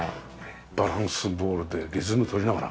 バランスボールでリズムとりながら。